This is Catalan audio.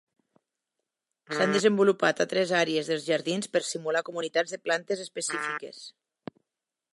S"han desenvolupat altres àrees dels jardins per simular comunitats de plantes específiques.